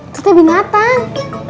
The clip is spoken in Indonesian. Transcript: itu teh binatang